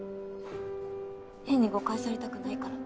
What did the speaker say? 変に誤解されたくないから。